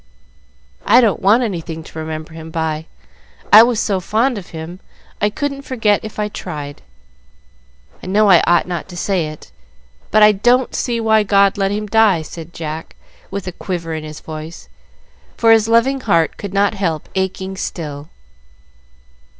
"I don't want anything to remember him by. I was so fond of him, I couldn't forget if I tried. I know I ought not to say it, but I don't see why God let him die," said Jack, with a quiver in his voice, for his loving heart could not help aching still.